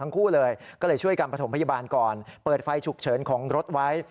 ส่งพยาบาลก่อนเปิดไฟฉุกเฉินของรถไว้